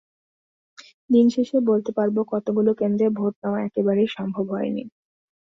দিন শেষে বলতে পারব কতগুলো কেন্দ্রে ভোট নেওয়া একেবারেই সম্ভব হয়নি।